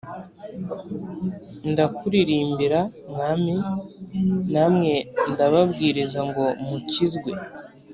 Ndakuririmbira mwami namwe ndababwiriza ngo mukizwe